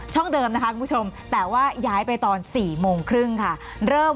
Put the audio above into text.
เดิมนะคะคุณผู้ชมแต่ว่าย้ายไปตอน๔โมงครึ่งค่ะเริ่ม